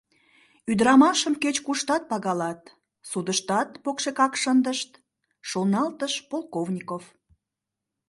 «Ӱдырамашым кеч-куштат пагалат, судыштат покшекак шындышт, — шоналтыш Полковников.